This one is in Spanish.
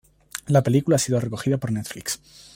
La película ha sido recogida por Netflix.